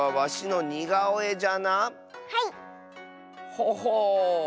ほほう。